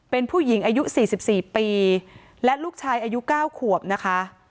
เป็นผู้หญิงอายุสี่สิบสี่ปีและลูกชายอายุเก้าขวบนะคะ